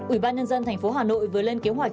ubnd tp hà nội vừa lên kế hoạch